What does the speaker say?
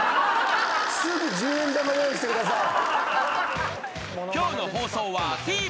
すぐ十円玉用意してください。